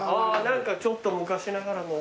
何かちょっと昔ながらの。